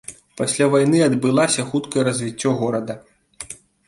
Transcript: Пасля вайны адбылася хуткае развіццё горада.